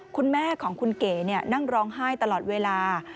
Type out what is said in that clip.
คุณแม่ของคุณเก๋นั่งร้องไห้ตลอดเวลา